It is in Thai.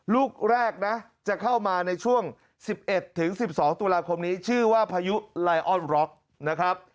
ลูกแรกนะจะเข้ามาในช่วง๑๑ถึง๑๒ตุลาคมนี้ชื่อว่าพายุไลออนร็อกนะครับ